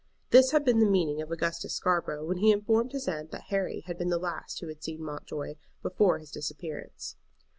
This had been the meaning of Augustus Scarborough when he informed his aunt that Harry had been the last who had seen Mountjoy before his disappearance.